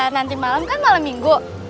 nanti malam kan malam minggu